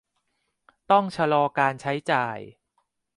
ต้องชะลอการใช้จ่าย